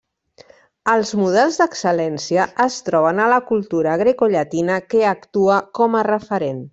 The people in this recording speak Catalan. Els models d'excel·lència es troben a la cultura grecollatina que actua com a referent.